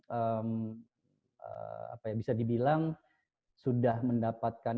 ya selama beberapa tahun kebelakang apa yang bisa dibilang sudah mendapatkan